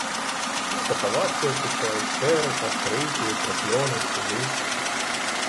Ну, катавасія пішла, істерика, крики, прокльони, суди.